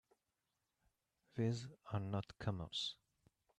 These are not camels!